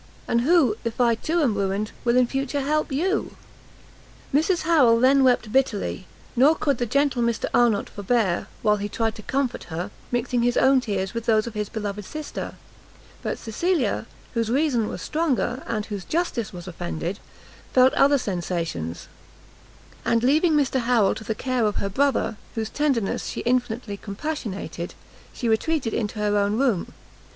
and who, if I too am ruined, will in future help you?" Mrs Harrel then wept bitterly, nor could the gentle Mr Arnott, forbear, while he tried to comfort her, mixing his own tears with those of his beloved sister; but Cecilia, whose reason was stronger, and whose justice was offended, felt other sensations; and leaving Mrs Harrel to the care of her brother, whose tenderness she infinitely compassionated, she retreated into her own room.